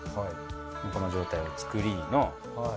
この状態を作りの。